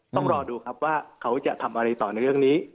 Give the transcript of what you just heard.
ต้องรอดูครับว่าเขาจะทำอะไรต่อในเรื่องนี้